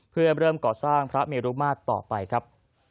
เพื่อเริ่มก่อสร้างพระเมรุมาตรต่อไปครับ